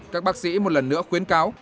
các bác sĩ một lần nữa khuyến cáo